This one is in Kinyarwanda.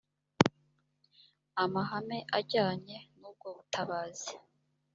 amahame ajyanye n’ubwo butabazi